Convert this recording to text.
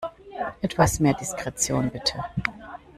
Etwas mehr Diskretion, bitte!